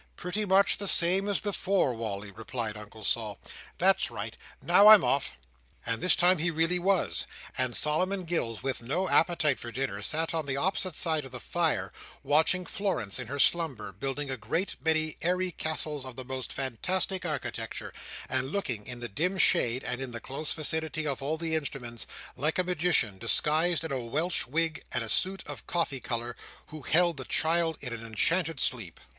"Pretty much the same as before, Wally," replied Uncle Sol. "That's right. Now I am off!" And this time he really was: and Solomon Gills, with no appetite for dinner, sat on the opposite side of the fire, watching Florence in her slumber, building a great many airy castles of the most fantastic architecture; and looking, in the dim shade, and in the close vicinity of all the instruments, like a magician disguised in a Welsh wig and a suit of coffee colour, who held the child in an enchanted sleep.